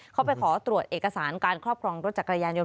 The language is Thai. เขาไปขอตรวจเอกสารการครอบครองรถจักรยานยนต